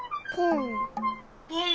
ポン。